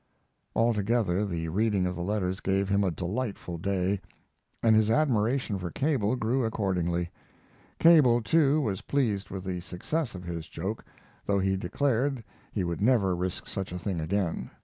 Altogether the reading of the letters gave him a delightful day, and his admiration for Cable grew accordingly. Cable, too, was pleased with the success of his joke, though he declared he would never risk such a thing again.